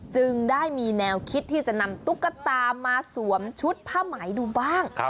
จึงได้มีแนวคิดที่จะนำตุ๊กตามาสวมชุดผ้าไหมดูบ้าง